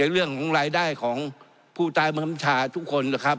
เรื่องของรายได้ของผู้ตายบังคับชาทุกคนนะครับ